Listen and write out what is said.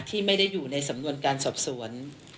ที่ไม่ได้อยู่ในสำนวนการสอบสวน